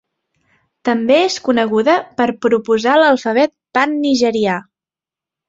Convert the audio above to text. També és coneguda per proposar l'alfabet pan-nigerià.